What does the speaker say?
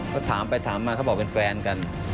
เขาถามไปถามมาเขาบอกเป็นแฟนกัน